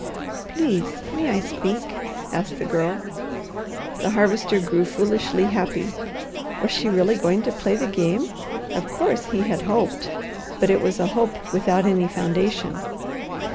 "Please may I speak?" asked the Girl. The Harvester grew foolishly happy. Was she really going to play the game? Of course he had hoped, but it was a hope without any foundation.